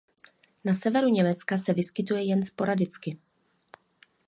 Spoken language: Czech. Na severu Německa se vyskytuje jen sporadicky.